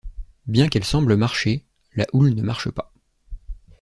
Bien qu’elle semble marcher, la houle ne marche pas.